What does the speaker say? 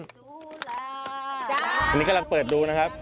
อันนี้กำลังเปิดดูนะครับ